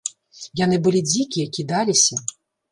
Яны былі дзікія, кідаліся.